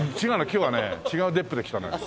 今日はね違うデップで来たのよ。